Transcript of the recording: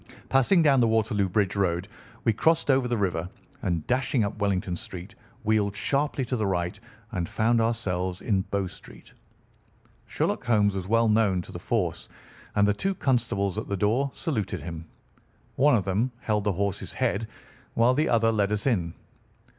Passing down the Waterloo Bridge Road we crossed over the river, and dashing up Wellington Street wheeled sharply to the right and found ourselves in Bow Street. Sherlock Holmes was well known to the force, and the two constables at the door saluted him. One of them held the horse's head while the other led us in.